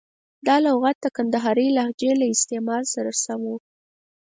دا لغت د کندهارۍ لهجې له استعمال سره سم و.